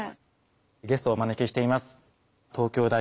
ゲストをお招きしています。